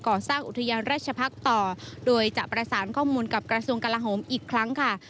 สร้างอุทยานราชพักษ์ต่อโดยจะประสานข้อมูลกับกระทรวงกลาโหมอีกครั้งค่ะ